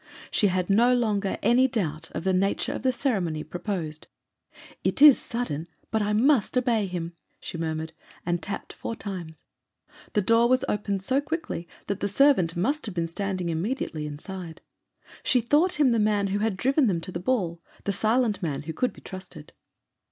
She had no longer any doubt of the nature of the ceremony proposed. 'It is sudden but I must obey him!' she murmured: and tapped four times. The door was opened so quickly that the servant must have been standing immediately inside. She thought him the man who had driven them to the ball—the silent man who could be trusted.